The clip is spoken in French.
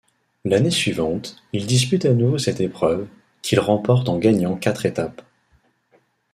L'année suivante, il dispute à nouveau cette épreuve, qu'il remporte en gagnant quatre étapes.